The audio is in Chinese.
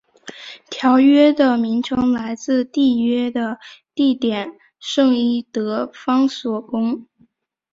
条约的名称来自缔约的地点圣伊德方索宫。